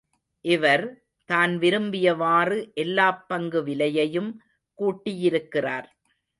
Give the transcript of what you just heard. இவர், தான் விரும்பியவாறு எல்லாப் பங்கு விலையையும் கூட்டியிருக்கிறார்.